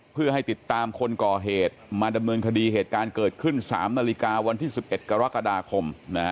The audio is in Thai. เพื่อให้ติดตามคนก่อเหตุมาดำเนินคดีเหตุการณ์เกิดขึ้น๓นาฬิกาวันที่๑๑กรกฎาคม